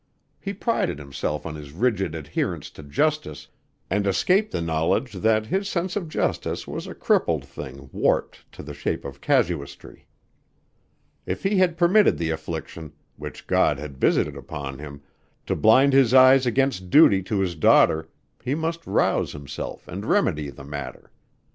He prided himself on his rigid adherence to justice, and escaped the knowledge that his sense of justice was a crippled thing warped to the shape of casuistry. If he had permitted the affliction, which God had visited upon him, to blind his eyes against duty to his daughter, he must rouse himself and remedy the matter.